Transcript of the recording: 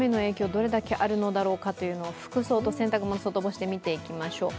どれだけあるのだろうかというのを服装と洗濯物、外干しで見ていきましょう。